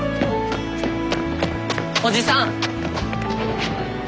おじさん！